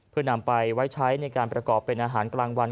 เพื่อนำไปไว้ใช้ในการประกอบเป็นอาหารกลางวัน